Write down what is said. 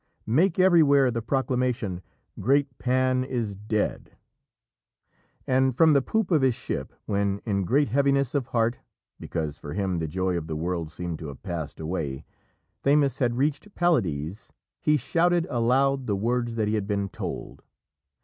make everywhere the proclamation, Great Pan is dead!" And from the poop of his ship, when, in great heaviness of heart, because for him the joy of the world seemed to have passed away, Thamus had reached Palodes, he shouted aloud the words that he had been told.